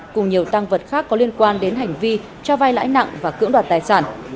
cùng nhiều tăng vật khác có liên quan đến hành vi cho vai lãi nặng và cưỡng đoạt tài sản